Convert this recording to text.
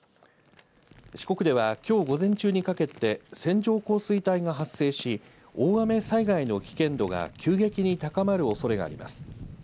四国では、きょう午前中にかけて線状降水帯が発生し、大雨災害の危険度が急激に高まるおそれがあります。